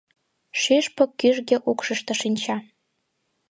Шӱшпык кӱжгӧ укшышто шинча.